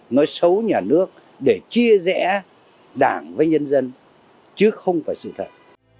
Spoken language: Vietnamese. nói xấu nhà nước để chia rẽ đảng với nhân dân chứ không phải sự thật